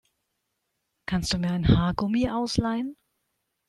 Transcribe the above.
Kannst du mir ein Haargummi ausleihen?